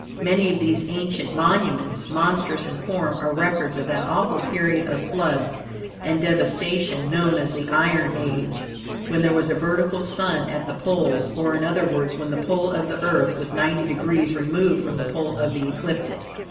Many of these ancient monuments, monstrous in form, are records of that awful period of floods and devastation known as the Iron Age, when there was a vertical Sun at the poles; or, in other words, when the pole of the Earth was ninety degrees removed from the pole of the ecliptic.